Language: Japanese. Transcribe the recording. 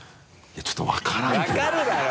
いやちょっと分からんけどね。